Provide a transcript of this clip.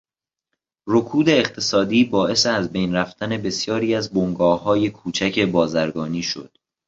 رکود اقتصادی باعث ازبین رفتن بسیاری از بنگاههای کوچک بازرگانی شد.